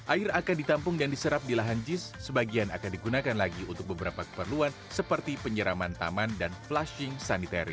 air akan ditampung dan diserap di lahan jis sebagian akan digunakan lagi untuk beberapa keperluan seperti penyeraman taman dan flushing sanitary